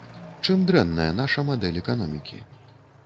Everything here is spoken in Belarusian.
Чым дрэнная наша мадэль эканомікі?